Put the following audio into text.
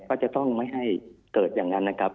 ก็จะต้องไม่ให้เกิดอย่างนั้นนะครับ